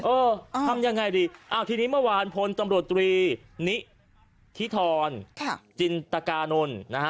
เออทำยังไงดีอ้าวทีนี้เมื่อวานพลตำรวจตรีนิธิธรจินตกานนท์นะฮะ